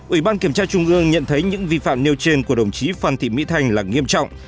ủy ban kiểm tra trung ương nhận thấy những vi phạm nêu trên của đồng chí phan thị mỹ thanh là nghiêm trọng